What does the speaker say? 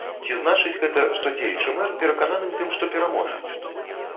Ці значыць гэта, што дзеючы мэр перакананы ў тым, што пераможа?